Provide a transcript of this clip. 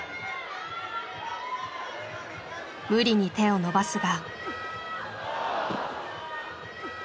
無理に手を伸ばすが。